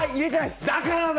だからだ！